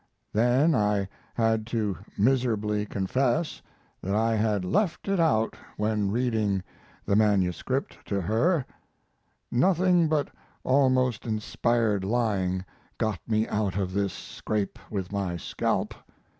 Then I had to miserably confess that I had left it out when reading the MS. to her. Nothing but almost inspired lying got me out of this scrape with my scalp.